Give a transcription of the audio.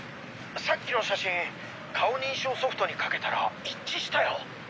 さっきの写真顔認証ソフトにかけたら一致したよ！